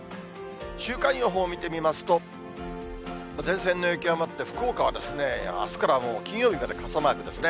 週間予報見てみますと、前線の影響もあって、福岡はあすからもう金曜日にかけて傘マークですね。